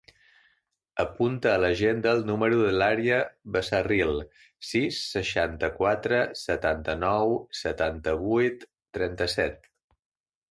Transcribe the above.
Apunta a l'agenda el número de l'Arya Becerril: sis, seixanta-quatre, setanta-nou, setanta-vuit, trenta-set.